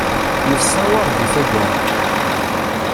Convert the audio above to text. Nessawaḍ di taggara.